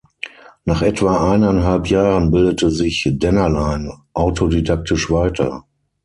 Nach etwa eineinhalb Jahren bildete sich Dennerlein autodidaktisch weiter.